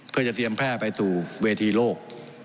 เพื่อจะเตรียมแพร่ไปสู่เวทีโลก